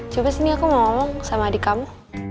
coba sini aku ngomong sama adik kamu